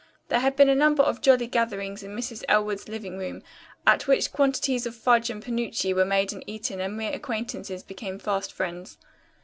There had been a number of jolly gatherings in Mrs. Elwood's living room, at which quantities of fudge and penuchi were made and eaten and mere acquaintances became fast friends.